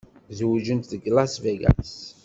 Zewǧent deg Las Vegas.